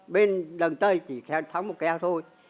bên đằng tây chỉ thắng một kéo thôi